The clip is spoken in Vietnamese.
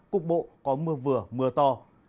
cục bộ có mưa vừa mưa to